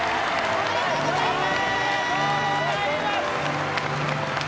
おめでとうございます。